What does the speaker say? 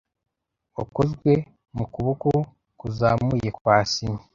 wakozwe mukuboko kuzamuye kwa Simi